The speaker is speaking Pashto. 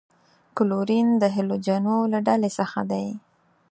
کلورین د هلوجنو له ډلې څخه دی.